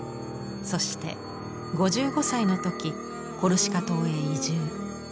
そして５５歳の時コルシカ島へ移住。